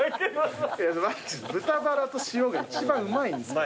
豚バラと塩が一番うまいんです。